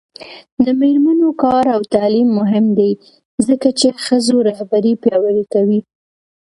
د میرمنو کار او تعلیم مهم دی ځکه چې ښځو رهبري پیاوړې کوي.